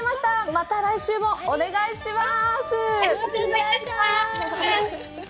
また来週もお願いします。